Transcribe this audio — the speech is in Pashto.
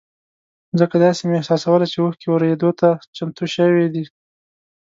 ځکه داسې مې احساسوله چې اوښکې ورېدو ته چمتو شوې دي.